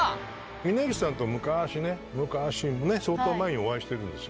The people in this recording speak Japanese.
峯岸さんとは昔、相当前にお会いしてるんですよ。